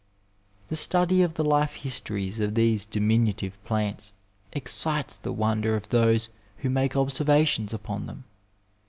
The study of the life histories of these diminutive plants excites the wonder of those who make observations upon them.